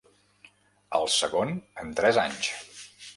El segon en tres anys.